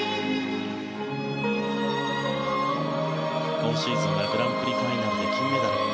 今シーズンはグランプリファイナルで金メダル。